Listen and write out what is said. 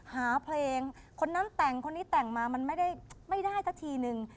หาเพลงคนนั้นแต่งคนนี้แต่งมามันไม่ได้สักทีนึง